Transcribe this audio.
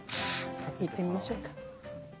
行ってみましょうか。